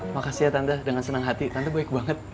makasih ya tante dengan senang hati tante baik banget